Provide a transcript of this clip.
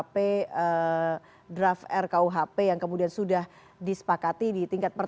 patternya uang tambahan dibx nac tersebut pun